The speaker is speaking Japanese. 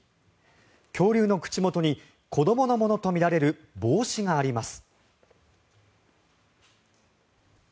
恐竜の口元に子どものものとみられる帽子があります。